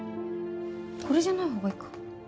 これじゃない方がいっか。